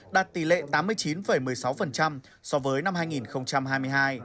đạt tỷ lệ tám mươi chín một mươi sáu so với năm hai nghìn hai mươi hai